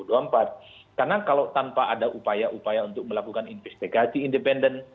karena kalau tanpa ada upaya upaya untuk melakukan investigasi independen